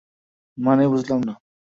মানে বুঝলাম না?